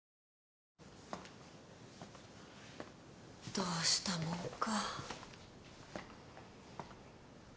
どうしたもんか。